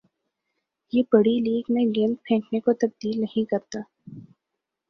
یہ بڑِی لیگ میں گیند پھینکنے کو تبدیل نہیں کرتا